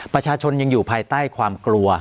ประชาชนยังอยู่ภายใต้ความกลัว